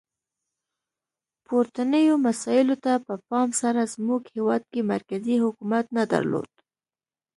پورتنیو مسایلو ته په پام سره زموږ هیواد کې مرکزي حکومت نه درلود.